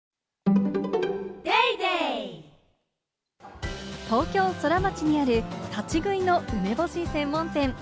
わかるぞ東京ソラマチにある立ち食いの梅干し専門店。